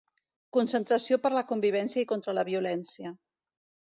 Concentració per la convivència i contra la violència.